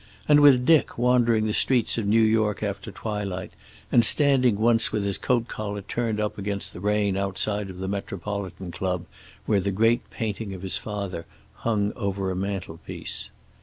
And with Dick wandering the streets of New York after twilight, and standing once with his coat collar turned up against the rain outside of the Metropolitan Club, where the great painting of his father hung over a mantelpiece.